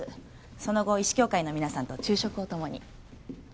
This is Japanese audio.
その後医師協会の皆さんと昼食を共に。